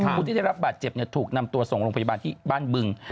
ผู้ที่ได้รับบาดเจ็บถูกนำตัวส่งโรงพยาบาลที่บ้านบึง